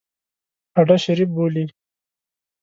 هډه شریف بولي.